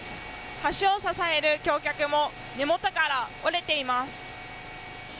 橋を支える橋脚も根元から折れています。